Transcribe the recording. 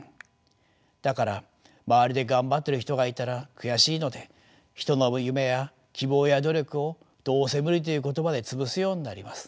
だから周りで頑張ってる人がいたら悔しいので人の夢や希望や努力をどうせ無理という言葉で潰すようになります。